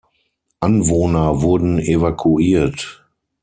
Anwohner wurden evakuiert.